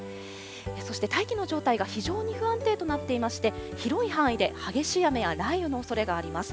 そして、大気の状態が非常に不安定となっていまして、広い範囲で激しい雨や雷雨のおそれがあります。